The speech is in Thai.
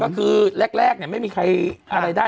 ก็คือแรกไม่มีใครอะไรได้